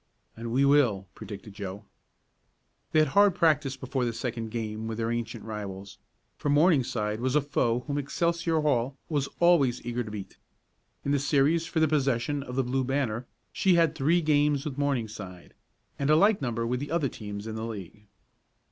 "And we will!" predicted Joe. They had hard practice before the second game with their ancient rivals for Morningside was a foe whom Excelsior Hall was always eager to beat. In the series for the possession of the Blue Banner she had three games with Morningside and a like number with the other teams in the league.